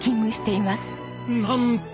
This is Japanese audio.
なんと！